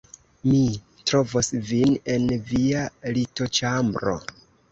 Mi trovos vin en via litoĉambro